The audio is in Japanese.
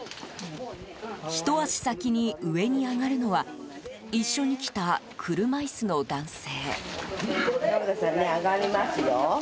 ひと足先に上に上がるのは一緒に来た車椅子の男性。